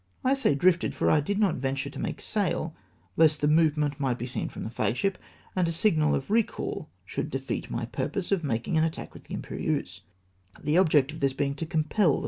I say " drifted" for I did not venture to make sail, lest the movement might be seen from the flagship, and a signal of recall should defeat my purpose of making an attack with the Imperieuse; the object of this being to C07npel the